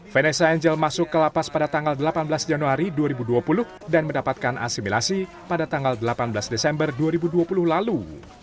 vanessa angel masuk ke lapas pada tanggal delapan belas januari dua ribu dua puluh dan mendapatkan asimilasi pada tanggal delapan belas desember dua ribu dua puluh lalu